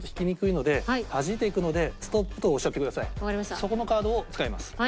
そこのカードを使います。